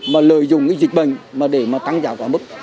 mà lợi dụng dịch bệnh để tăng giá quá mức